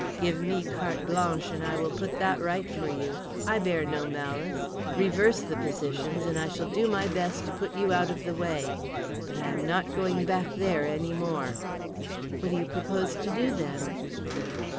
"Give me carte blanche and I will put that right for you. I bear no malice. Reverse the positions and I shall do my best to put you out of the way. But I am not going back there any more." "What do you propose to do, then?"